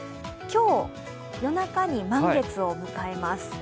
今日、夜中に満月を迎えます。